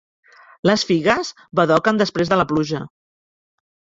Les figues badoquen després de la pluja.